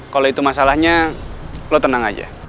kalau itu masalahnya lo tenang aja